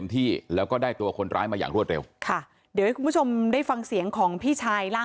แต่ว่าเรายังไม่ได้ผลัดสินนะ